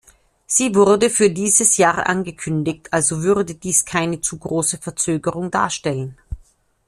Sie wurde für dieses Jahr angekündigt, also würde dies keine zu große Verzögerung darstellen.